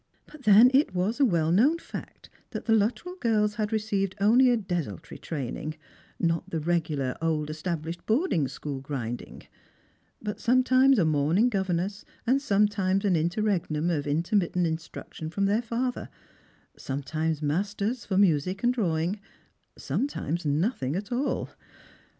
But then it was a well known fact that the Luttrell girls had received only a desultory training, not the regular old established boarding school grinding: but sometimes a morning governess, and sometimes an interregnum of inter mittent instruction from their father; sometimes masters for music and drawing, sometimes nothing at all.